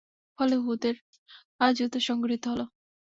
ফলে উহুদের যুদ্ধ সংঘটিত হল।